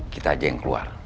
kita aja yang keluar